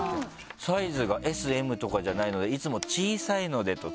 「サイズがＳＭとかじゃないのでいつも『小さいので』と伝えます」。